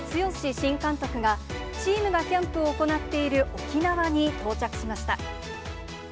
新監督が、チームがキャンプを行っている沖縄に到着しました。